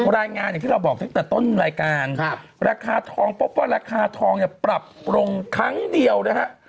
รายงานที่เราบอกต้นรายการราคาทองประปรับลงครั้งเดียวนะฮะ